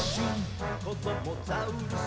「こどもザウルス